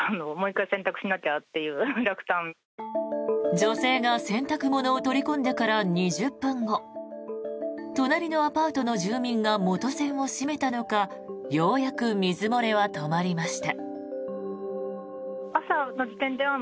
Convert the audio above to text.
女性が洗濯物を取り込んでから２０分後隣のアパートの住民が元栓を閉めたのかようやく水漏れは止まりました。